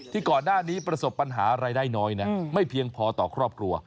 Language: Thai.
ก่อนหน้านี้ประสบปัญหารายได้น้อยนะไม่เพียงพอต่อครอบครัว